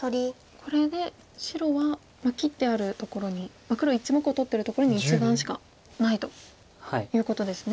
これで白は切ってあるところに黒１目を取ってるところに１眼しかないということですね。